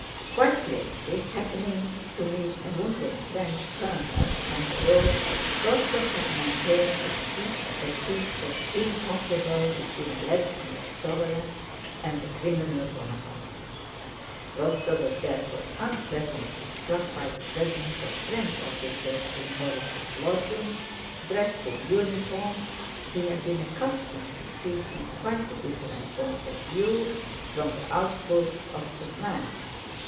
Quite lately, happening to meet a wounded French colonel on the road, Rostóv had maintained with heat that peace was impossible between a legitimate sovereign and the criminal Bonaparte. Rostóv was therefore unpleasantly struck by the presence of French officers in Borís' lodging, dressed in uniforms he had been accustomed to see from quite a different point of view from the outposts of the flank.